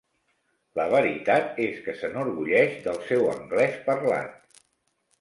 La veritat és que s'enorgulleix del seu anglès parlat.